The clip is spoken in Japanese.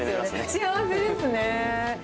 幸せですね。